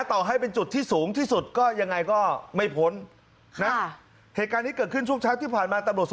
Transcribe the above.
ต่อให้เป็นจุดที่สูงที่สุดก็ยังไงก็ไม่ผล